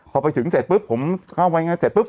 พอไปถึงเสร็จปุ๊บผมเข้าไปงานเสร็จปุ๊บ